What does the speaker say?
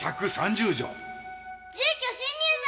住居侵入罪！